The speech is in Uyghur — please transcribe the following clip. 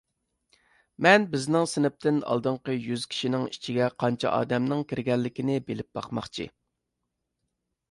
مەن بىزنىڭ سىنىپتىن ئالدىنقى يۈز كىشىنىڭ ئىچىگە قانچە ئادەمنىڭ كىرگەنلىكىنى بىلىپ باقماقچى.